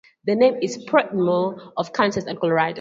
The name is a portmanteau of Kansas and Colorado.